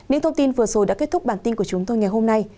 những thông tin vừa rồi đã kết thúc bản tin của chúng tôi ngày hôm nay